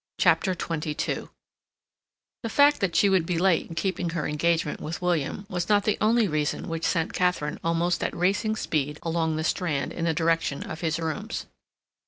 CHAPTER XXII The fact that she would be late in keeping her engagement with William was not the only reason which sent Katharine almost at racing speed along the Strand in the direction of his rooms.